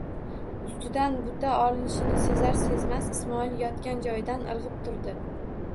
Ustidan buta olinishini sezar-sezmas Ismoil yotgan joyidan irg'ib turdi.